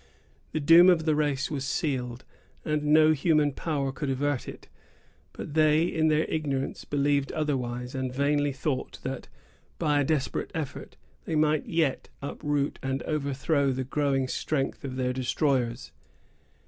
The doom of the race was sealed, and no human power could avert it; but they, in their ignorance, believed otherwise, and vainly thought that, by a desperate effort, they might yet uproot and overthrow the growing strength of their destroyers.